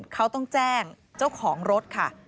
เขาต้องแจ้งเจ้าของรถค่ะ